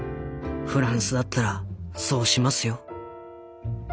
フランスだったらそうしますよ」。